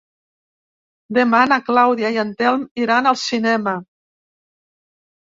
Demà na Clàudia i en Telm iran al cinema.